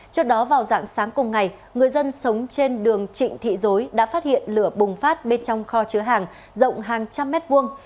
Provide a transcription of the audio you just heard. trước đó vào dạng sáng cùng ngày người dân sống trên đường trịnh thị dối đã phát hiện lửa bùng phát bên trong kho chứa hàng rộng hàng trăm mét vuông